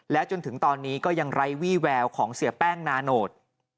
จนถึงตอนนี้ก็ยังไร้วี่แววของเสียแป้งนาโนต